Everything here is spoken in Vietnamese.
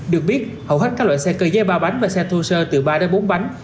được biết hầu hết các loại xe cơ giới ba bánh và xe thô sơ từ ba đến bốn bánh